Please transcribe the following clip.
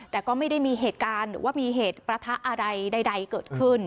แต่ก็ไม่ได้มีเหตุการณ์หรือว่ามีเหตุประทะอะไรใดเกิดขึ้น